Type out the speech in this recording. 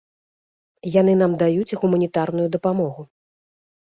Яны нам даюць гуманітарную дапамогу.